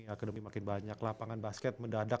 akademi makin banyak lapangan basket mendadak